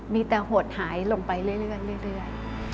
มีแต่หดหายลงไปเรื่อย